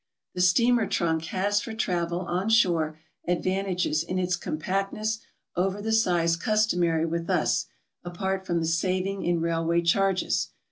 The steamer trunk has for travel on shore advantages in its compactness over the size customary with us, apart from the saving in railway charges.